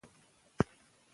ماشوم ته مینه ورکړه.